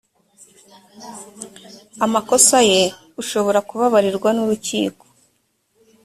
amakosaye ushobora kubabarirwa nurukiko.